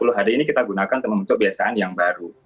empat puluh hari ini kita gunakan untuk membentuk kebiasaan yang baru